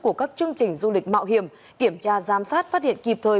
của các chương trình du lịch mạo hiểm kiểm tra giám sát phát hiện kịp thời